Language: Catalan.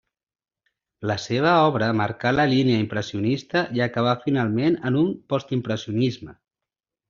La seva obra marcà la línia impressionista i acabà finalment en un postimpressionisme.